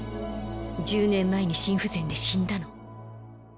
１０年前に心不全で死んだの。